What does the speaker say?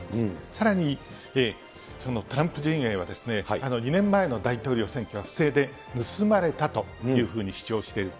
さらに、そのトランプ陣営は、２年前の大統領選挙は防いで、盗まれたというふうに主張している。